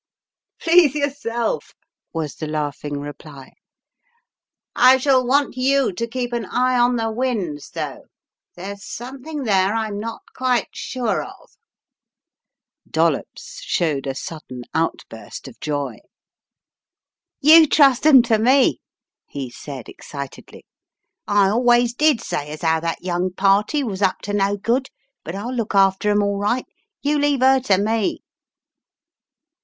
"Please yourself," was the laughing reply. "I shall want you to keep an eye on the Wynnes, (hough | There's something there I'm not quite sure of Dollops showed a sudden outburst of joy. ~£ >f 256 The Riddle of the Purple Emperor "You trust 'em to me," he said, excitedly. "I always did say as 9 ow that young party was up to no good, but I'll look after 'em all right. You leave 9 ev to me."